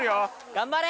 頑張れ！